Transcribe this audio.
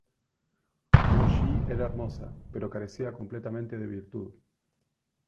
Mo Xi era hermosa, pero carecía completamente de virtud.